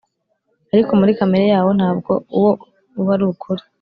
ariko muri kamere yawo ntabwo wo uba ari ukuri